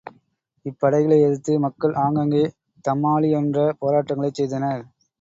இப்படைகளை எதிர்த்து மக்கள் ஆங்காங்கே தம்மாலியன்ற போராட்டங்களைச் செய்தனர்.